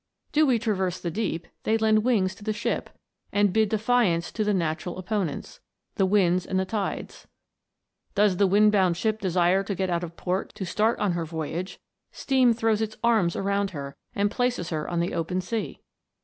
Do we traverse the deep, they lend wings to the ship, and bid defiance to the natural opponents, the winds and the tides ! Does the wind bound ship desire to get out of port to start on her voyage, steam throws its arms around her, and places her on the open sea